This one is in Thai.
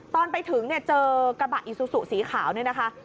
ตอนไปถึงเจอกระบะอิซูสุสีขาวนี่นะคะ